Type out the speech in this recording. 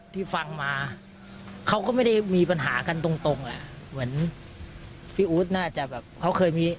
ที่ฟังมาเขาก็ไม่ได้มีปัญหากันตรงตรงอ่ะเหมือนพี่อู๊ดน่าจะแบบเขาเคยมี